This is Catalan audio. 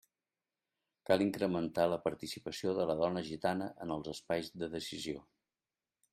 Cal incrementar la participació de la dona gitana en els espais de decisió.